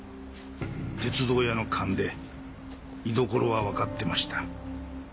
鉄道屋の勘で居所はわかってました。